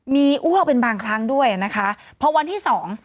มีอ้วกเป็นบางครั้งด้วยนะคะพอวันที่สอง